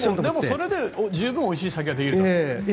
でも、それで十分おいしいお酒ができるんだね。